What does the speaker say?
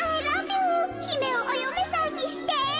ひめをおよめさんにして。